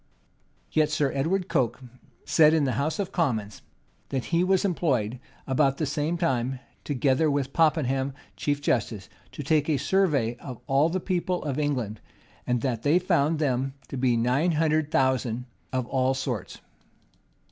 Yet Sir Edward Coke[] said, in the house of commons, that he was employed about the same time, together with Popham, chief justice, to take a survey of all the people of England, and that they found them to be nine hundred thousand of all sorts.